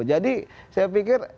jadi saya pikir